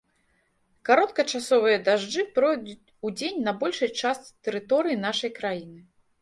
Кароткачасовыя дажджы пройдуць удзень на большай частцы тэрыторыі нашай краіны.